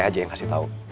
tante aja yang kasih tau